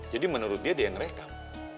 jadi menurut dia dia yang merekam